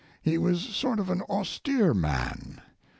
He was sort of an austere man.